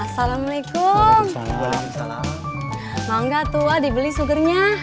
sampai jumpa di video selanjutnya